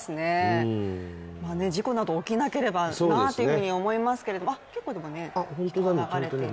事故など起きなければなと思いますけど、結構流れていますね。